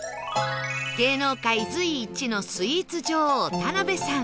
芸能界随一のスイーツ女王田辺さん